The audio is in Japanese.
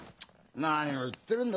何を言ってるんだ。